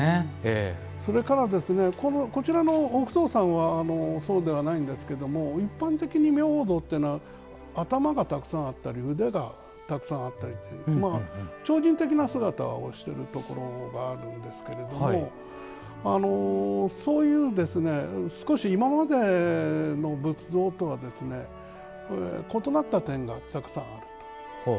それから、こちらのお不動さんはそうではないんですけれども一般的に明王像というのは頭でたくさんあったり腕がたくさんあったりという超人的な姿をしているところがあるんですけれどもそういう少し今までの仏像とは異なった点がたくさんあると。